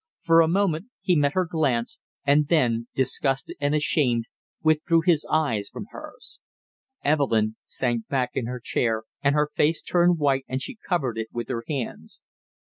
For a moment he met her glance, and then, disgusted and ashamed, withdrew his eyes from hers. Evelyn sank back in her chair, and her face turned white and she covered it with her hands.